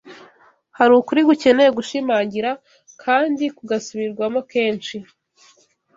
Hari ukuri gukeneye gushimangira kandi kugasubirwamo kenshi